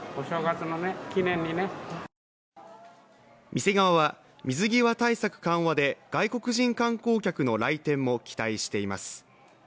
店側は水際緩和で外国人観光客の来店も期待しています。